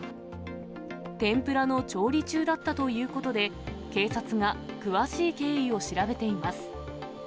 天ぷらの調理中だったということで、警察が詳しい経緯を調べています。